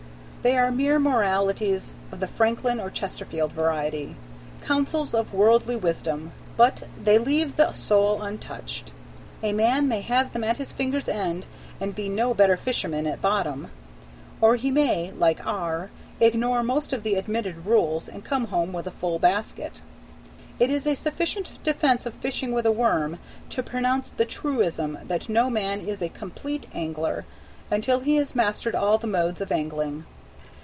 They are mere moralities of the Franklin or Chesterfield variety, counsels of worldly wisdom, but they leave the soul untouched. A man may have them at his finger's ends and be no better fisherman at bottom; or he may, like R., ignore most of the admitted rules and come home with a full basket. It is a sufficient defense of fishing with a worm to pronounce the truism that no man is a complete angler until he has mastered all the modes of angling.